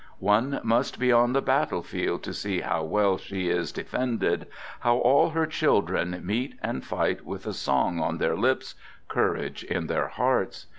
" One must be on the battlefield to see how well she is de fended, how all her children meet and fight with a song on their lips, courage in their hearts.